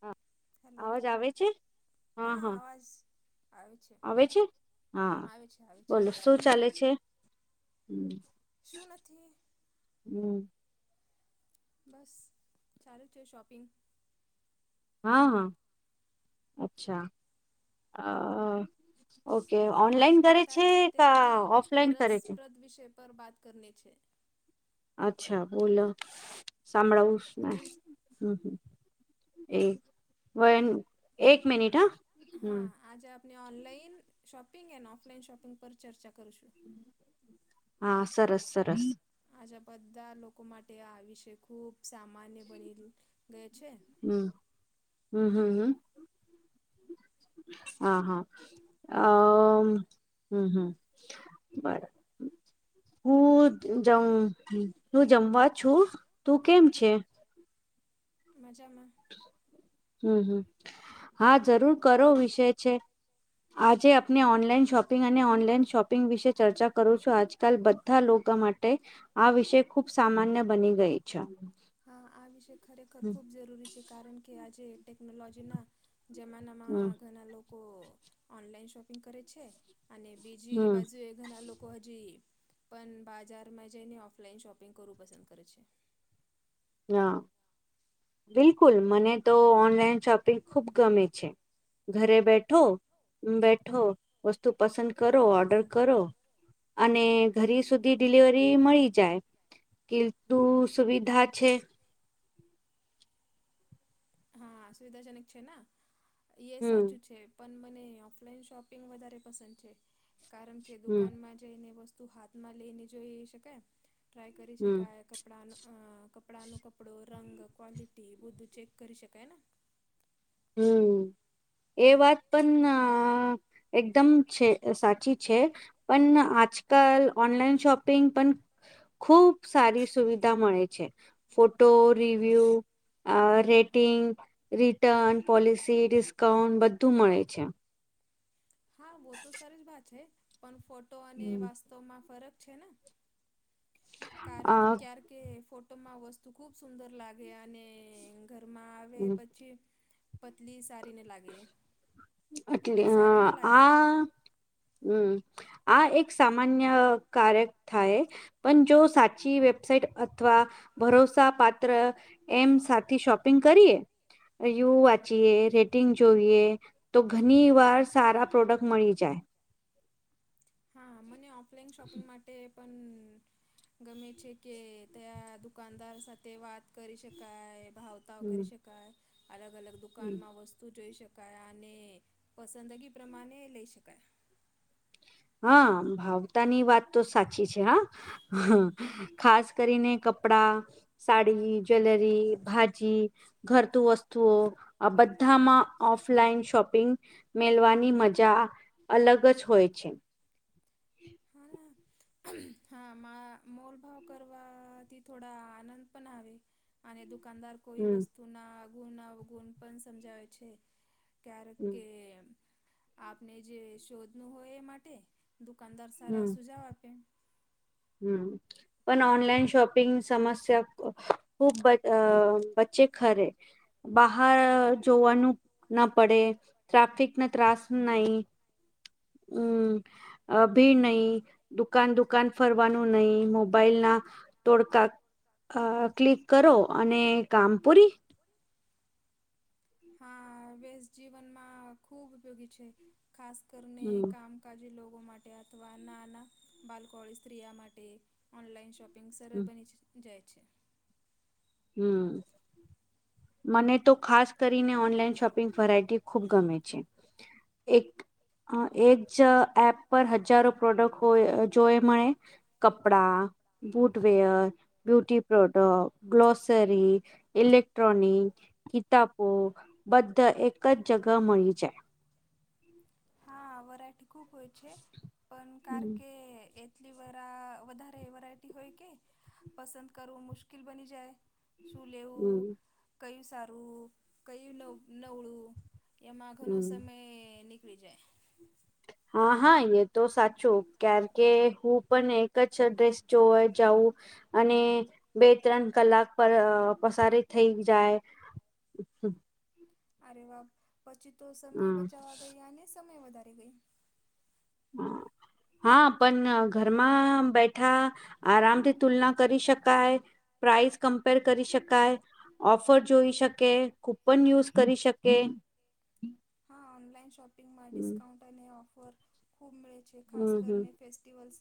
હા હેલો અવાજ આવે છે. હા આવાજ. આવે છે હા આવે છે આવે છે બોલો આજે શું આવે ચાલે છે. હમ. શું નથી. હમ. બસ ચાલું જ છે શોપિંગ. હા હા અચ્છા અ. ઓકે આજ ઓનલાઈન મને કરે છે તારે સાથે ક ખૂબ ઓફલાઈન કરે છે. રસપ્રદ વિષય પર બાત કરને છે. અચ્છા બોલો સાંભળાવું જ ના હમ હમ. એક વ એક મિનિટ હા. હા હમ આજે આપણે ઓનલાઈન શોપિંગ એ ઓફલાઈન શોપિંગ પર ચર્ચા કરું છું. હા સરસ સરસ. આજા બધા લોકો માટે આ વિષય ખુબ સામાન્ય બની ગય છે. હમ હમ હમ હમ. હા હા અ હમ હમ. બરા. હું જમ હું જમવા છું તું કેમ છે. મજામાં. હમ હમ હા જરૂર કરો વિષય છે. આજે આપને ઓનલાઈન શોપિંગ અને ઓનલાઈન શોપિંગ વિશે ચર્ચા કરું છું આજકાલ બધા લોકો માટે. આ વિષય ખુબ સામાન્ય બની ગઈ છે. હા આ વિષય ખરેખર હમ ખૂબ જરૂરી છે કારણ કે આજે ટેકનોલોજીના. જમાનામાં ઘણા લોકો ઓનલાઈન શોપિંગ કરે છે. અને બીજી હમ બાજુ એક. ઘણા લોકો હજી પણ બાજારમાં જઈને ઓફલાઈન શોપિંગ કરવું પસંદ કરે છે. હા બિલકુલ મને તો ઓનલાઈન શોપિંગ ખુબ ગમે છે. ઘરે બેઠો બેઠો વસ્તુ પસંદ કરો ઓર્ડર કરો. અને ઘરી સુધી ડિલિવરી મળી જાય કે તું સુવિધા. છે. હા સુવિધાજનક છે ને એ હમ સાચું છે. પણ મને ઓફલાઈન શોપિંગ વધારે પસંદ છે કારણ કે હમ દુકાનમાં જ. જઈને વસ્તુ હાથમાં લઈને જોઈ શકાય ટ્રાય કરી હમ શકાય. કપડાનું અ કપડા ન કપડો રંગ ક્વલિટી એ બધું ચેક કરી શકાય ને. હમ. એ વાત પણ એકદમ છે સાચી છે. પણ આજકાલ ઓનલાઈન શોપિંગ પણ. ખુબ સારી સુવિધા મળે છે. Photo review rating return. Policy discount બધું મળે છે. હા બહ તો સરારી જ વાત છે પણ ફોટો અને હમ. વાસ્તવમાં ફરક છે ને. આ કારકે ફોટોમાં વસ્તુ ખુબ સુંદર લાગે અને ઘરમાં આવે હમ, પછી. પતલી સારીને લાગે એટલે એટલી અ, સારી ના લાગે ને હો. આ હમ આ એક સામાન્ય કારક થાય. પણ જો સાચી વેબસાઇટ અથવા ભરોસા પત્ર એમ સાથે શોપિંગ કરીએ યુ વાંચીએ રેડ. ફટિંગ જોઈએ તો ઘણી વાર સારા પ્રોડક્ટ મળી જાય હા મને ઓફલાઈન શોપિંગ માટે પણ ગમે છે કે ત્યાં દુકાનદાર સાથે વાત કરી શકાય ભાવ કરી હમ શકાય અલગ અલગ દુકાનમાં વસ્તુ તું જોઈ શકાય અને પસંદગી પ્રમાણે લઈ શકાય હા ભાવતા ની વાત તો સાચી છે હા હ ખાસ કરીને કપડા સાડી જ્વેલરી ભાજી ઘરતું વસ્તુઓ આ બધામાં ઓફલાઈન શોપિંગ મેલવાની મજા અલગ જ હોય છે હાણા હા મા મોલ ભાવ કરવાથી થોડા આનંદ પણ આવે અને દુકાનદાર કોઈ હમ વસ્તુના અગુણ અવગુણ પણ સમજાવે છે ક્યારે હમ કે આપને જે શોધનું હોય એ માટે દુકાનદાર સારા સુજાવ આપે હમ પણ ઓનલાઈન શોપિંગ સમસ્યા ખૂબ વચ્ચે ખરે બહાર જોવાનું ના પડે ટ્રાફિક ના ત્રાસ નઈ [inaudible] અ ભીડ નહીિ દુકાન દુકાન ફરવાનું નહીિ મોબાઈલ ના તોડકા ક્લિક કરો અને કામ પૂરી હા વસ જીવનમાં ખૂબ ઉપયોગી છે ખાસ કરીને હમ કામ કકાજી લોકો માટે અથવા નાના બાલકોળી સ્ત્રીિયા માટે ઓનલાઈન પિંગક સર્વેર બની જાય છે હમ મને તો ખાસ કરીને ઓનલાઈન શોપિંગ વેરાયટી ખૂબ ગમે છે એક એક જ એપ પર હજારો પ્રોડક્ટ હોય જો એ કપડા બુટવેયર બ્યુટી પ્રોડક્ટ ગ્લોસરી એલેક્ટ્રોનીિક ગીતાપુર બધા એક જ જગહ મળી જાય હા વરાઠ ખૂબ હોય છે પણ કાર કે કેટલી વરા વધારે વરાયટી હોય કે પસંદ કરવું મુશ્કેલ બની જાય શું લેવું હમ કયું સારું કયું નવ નવળું યા માઘન હમ સમય નિકલી જાય હા હા એ તો સાચું ક્યારેકે હું પણ એક જ ડ્રેસ જોવા જાઉં અને બે ત્રણ કલાક પર પસાર થઈ જાય અચ્છા અરે વાપ પછી તો સમય બચાવવા ગયા અનેને સમય વધારે ગઈ હમ [inaudible] હા પણ ઘરમાં બેઠા આરામથી તુલના કરી શકાય પ્રાઇસ કમ્પેર કરી શકાય ઓફર જોઈ શકે કૂપન યુઝ કરી શકે [inaudible] હા ઓનલાઈન શોપિંગમાં હમ ડિસ્કાઉન્ટ અને ઓફર ખૂબ મળે છે ખાસ હમ હમ કરીને ફે સ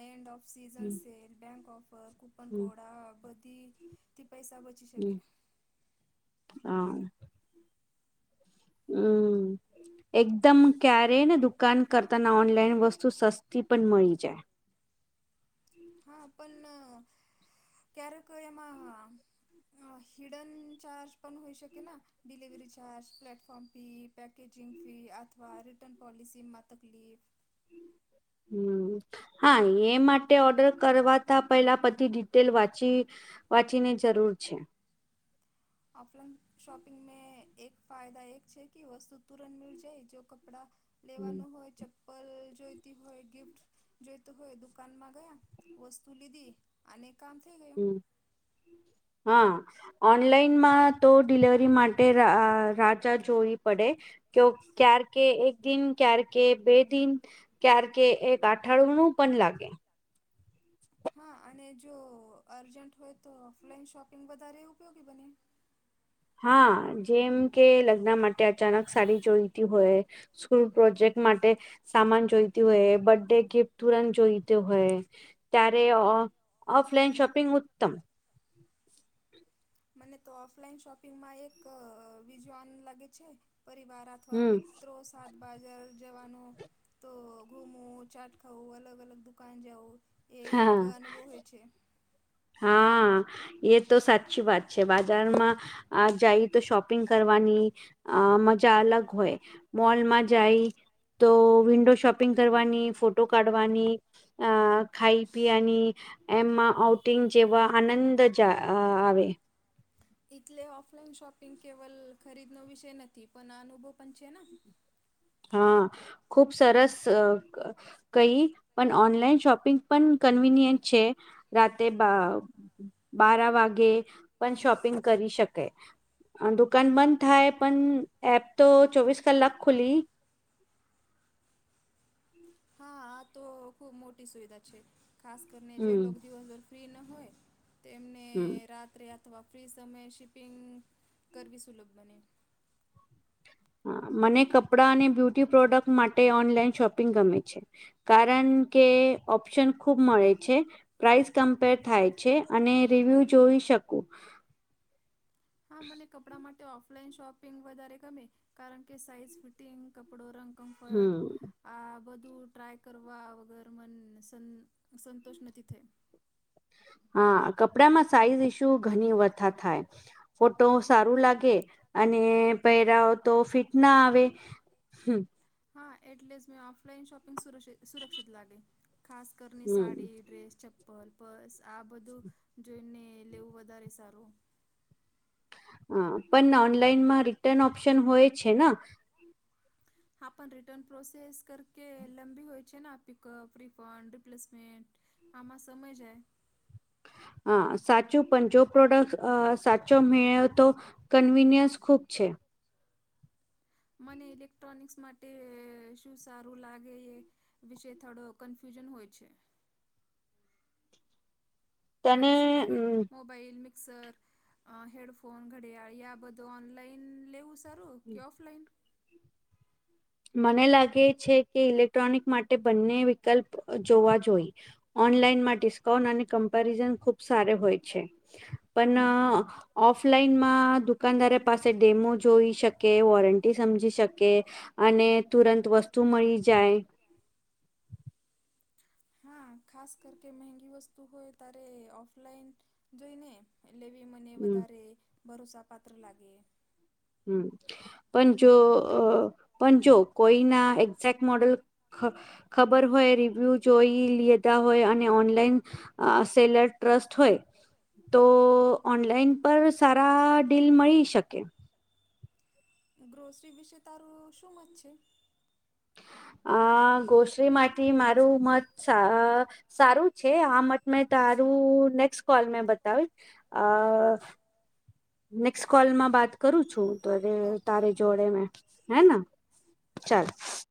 એન્ડન્ડ સીઝ હમ સેલક બેન્ક ઓફ હમ કોડા બધી પૈસા બધું. હું, હા. હું. એકદમ ક્યારેય ને દુકાન કરતાના ઓનલાઈન વસ્તુ સસ્તી પણ મળી જાય. હા, પણ ક્યારેક એમાં હિડન ચાર્જ પણ હોઈ શકે ના ડિલિવરી ચાર્જ પ્લેટફોર્મ પીપ પેકેેજિંગ ફી અથવા રિટન પૉલસી માતગલી હું હા એ માટે ઓર્ડર કરવાતા પેલા બધી ડિટેલ વાંચી વાંચીને જરૂર છે. ઓફલાઈન શોપિંગ મે એક ફાયદા એક છે, કે વસ્તુ તુરંત મીલ જાય જો કપડા હમ લેવાનું હોય ચપ પર જોઈતી હોય ગિફ્ટ જોઈતો હોય દુકાનમાં ગયા વસ્તુ લીધી. આને કામ થઈ ગયું. હમ હા, ઓનલાઈનમાં તો ડિલવરી માટે રાજા જોવી પડે. કે કાર, કે એક દિન, કાર કે બે દિન ક્યારકે એક અઠાણમુ પણ લાગે. હા અને જો અર્જન્ટ હોય તો ઓફલાઈન શોપિંગ વધારે ઉપયોગી બને. હા જેમ કે લગ્ન માટે અચાનક સારી જોઈતી હોય. સ્કૂલ પ્રોજેક્ટ માટે સામાન જોઈતી હોય બર્થ ડે ગિફ્ટ તુરંત જોઈતું હોય. ત્યારે ઓફલાઈન શોપિંગ ઉત્તમ મને તો ઓફલાઈન શોપિંગમાં એક વિજ્વાન લાગે છે, પરિવાર અથવા હમ મિત્રો સાથ બજાર જવાનો તો ઘુમું ચાટ ખાવું અલગ અલગ દુકાન જાઉં એ એક હા અનુભવ હોય છે. હા એ તો સાચી વાત છે, બાજારમાં આ જાય તો શોપિંગ કરવાની અ મજા અલગ હોય. મોલમાં જાય તો વિન્ડો શોપિંગ કરવાની ફોટો કાઢવાની અ ખાઈ પીની એમાં આઉટ કટિંગ જેવા આનંદ જ આવે. એટલે ઓફલાઈન શોપિંગ કેવલ ખરીદનો વિષય નથી પણ આ અનુભવ પણ છે, ને હા ખુબ સરસ, કંઈ પણ ઓનલાઈન શોપિંગ પણ કન્વીનિયન્ટ છે, રાતે બારા વાગે પણ શોપિંગ કરી શકે. દુકાન બંધ થાય પણ એપ તો ચોવીસ કલાક ખુલી હા આ તો ખુબ મોટી સુવિધા છે, ખાસ કરીને જે હમ લોકો દિવસભર ફ્રી ન હોય તો એમને હમ રાત્રે, અથવા ફ્રી સમયે શિપિંગ કરવી સુલભ બને હા મને કપડાં અને બ્યુટી પ્રોડક્ટ માટે ઓનલાઈન શોપિંગ ગમે છે. કારણ કે ઓપ્શન ખુબ મળે છે. પ્રાઈસ કમ્પેર થાય છે, અને રિવ્યુ જોઈ શકું. હા મને કપડા માટે ઓફલાઈન શોપિંગ વધારે ગમે, કારણ કે સાઈઝ ફિટ તીન કપડો રંગ કમ્ફર્ટ હમ આ બધું ટ્રાય કરવા વગર મન સંત સંતોષ નથી થઈ. હા કપડા માં સાઈઝ ઇશુ ઘણી વધા થાય. ફોટો સારું લાગે અને પહેરા તો ફિટ ના આવે. હું. હા, એટલે જ મે ઓફલાઈન શોપિંગ સુર સુરક્ષિત લાગે ખાસ‌. કરની હમ સાડી ડ્રેસ ચંપલ, પર બસ આ બધું જોઈને લેવું વધારે સારું હા પણ ઓનલાઈન માં રિટર્ન ઓપ્શન હોય છે ને હા પણ રિટર્ન પ્રોસેસ કરકે લંબી હોય છે ને પિકઅપ રિફંડ રિપ્લેસમેન્ટ આમાં સમય જાય હા સાચું પંો પ્રોડક્ટ અ સાચો મેળ્યો તો કન્વીિનિયન્સ ખૂબ છે મને ઇલેક્ટ્રોનિક્સ માટે શું સારું લાગે એ વિશે થોડો કન્ફ્યુઝન હોય છે. તને શું લાગે મો મિક્સર હેડફોન ઘડીયાર આ બધું ઓનલાઈન લ સારું કે ઓફલાઇન? મને લાગે છે કે ઇલેક્ટ્રોનિક માટે બંને વિકલ્પ જોવા જોઈ. ઓનલાઈનમાં ડિસ્કાઉન્ટ અને કમ્પેરિઝન ખુબ સાર હોય છે પણ ઓફલાઈનમાં દુકાનદાર પાસે ડેમો જોઈ શકે વોરંટી સમજી શકે અને તુરંત વસ્તુ મળી જાય હા ખાસ કર કે મહેંગી વસ્તુ હોય તારે ઓફલાઈન જોઈને એટલે મને હમ વધારે ભરોસા પાત્ર લાગે. હમ. પણ જો પણ જો કોઈ ના એક્ઝેક્ટ મોડલ ખબર હોય રિવ્યુ જોઈ લેતા હોય અને ઓનલાઈન સેલર ટ્રસ્ટ હોય. તો ઓનલાઈન પર સારા ડીલ મળી શકે. ગ્રોસરી વિશે તારું શું મત છે. [inaudible] અ ગ્રોસલી માટેથી મારું મત સારું છે આ મત મેં તારું નેક્સ્ટ કોલ મેં બતાવી અ નેક્સ્ટ કોલમાં વાત કરું છું તો ઓકે તારે ઓકે જોડે મેં હે ના ચાલ.